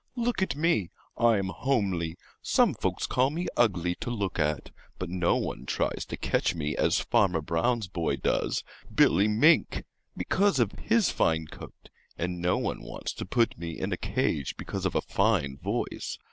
Look at me. I'm homely. Some folks call me ugly to look at. But no one tries to catch me as Farmer Brown's boy does Billy Mink because of his fine coat; and no one wants to put me in a cage because of a fine voice.